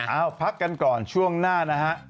เอาพักกันก่อนช่วงหน้านะฮะ